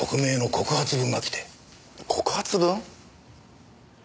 告発文？